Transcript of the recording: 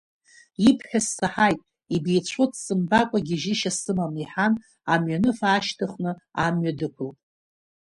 Ибҳәаз саҳаит, ибеицәо дсымбакәа гьежьышьа сымам, иҳан, амҩаныфа аашьҭыхны, амҩа дықәылт.